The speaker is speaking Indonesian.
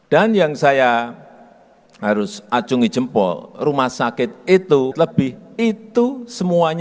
dan yang saya harus acungi jempol rumah sakit itu lebih itu semuanya